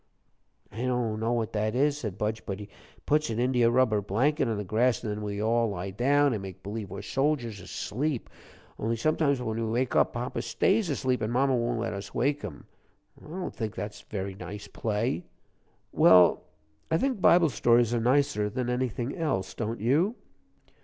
"I don't know what that is," said Budge, "but he puts an India rubber blanket on the grass, and then we all lie down an' make b'lieve we're soldiers asleep. Only sometimes when we wake up papa stays asleep, an' mama won't let us wake him. I don't think that's a very nice play." "Well, I think Bible stories are nicer than anything else, don't you?"